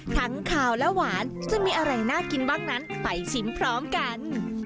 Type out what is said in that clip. ขาวและหวานจะมีอะไรน่ากินบ้างนั้นไปชิมพร้อมกัน